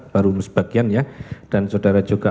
baru sebagian ya dan saudara juga